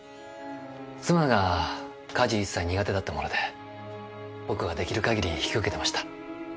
妻が家事一切苦手だったもので僕が出来る限り引き受けてました。